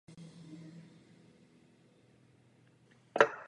Podle původní dohody měla armáda po dva roky mít kontrolu nad životem v osadě.